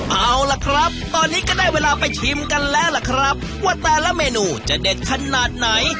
เอาล่ะครับตอนนี้ก็ได้เวลาไปชิมกันแล้วล่ะครับว่าแต่ละเมนูจะเด็ดขนาดไหน